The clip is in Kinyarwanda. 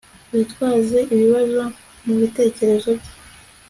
witwaze ibibazo mubitekerezo bye